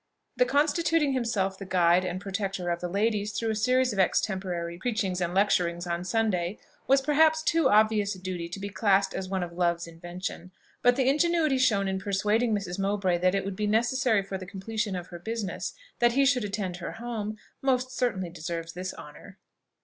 The constituting himself the guide and protector of the ladies through a series of extemporary preachings and lecturings on Sunday, was perhaps too obvious a duty to be classed as one of love's invention: but the ingenuity shown in persuading Mrs. Mowbray that it would be necessary for the completion of her business that he should attend her home, most certainly deserves this honour.